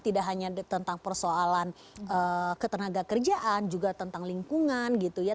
tidak hanya tentang persoalan ketenaga kerjaan juga tentang lingkungan gitu ya